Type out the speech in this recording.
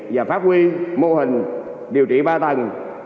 và phát huy mô hình điều trị ba tầng